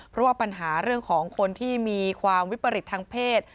เพราะว่าปัญหาเรื่องของคนที่มีความวิปริตทางเพศ